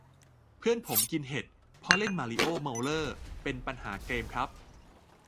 เพื่อนผมกินเห็ด เพราะเล่นมาริโอ้ เมาเร่อ เป็นปัญหาเกมคร้าบ~